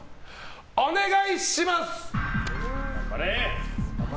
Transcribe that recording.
お願いします！